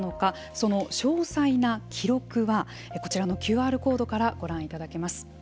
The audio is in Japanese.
その詳細な記録はこちらのＱＲコードからご覧いただけます。